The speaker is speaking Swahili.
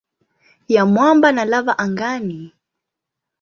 ya mwamba na lava angani.